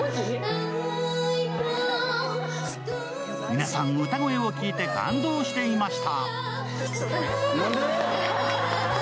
皆さん歌声を聴いて反応していました。